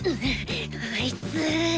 あいつ！